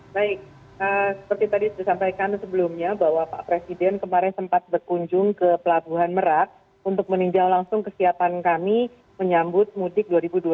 baik seperti tadi sudah disampaikan sebelumnya bahwa pak presiden kemarin sempat berkunjung ke pelabuhan merak untuk meninjau langsung kesiapan kami menyambut mudik dua ribu dua puluh satu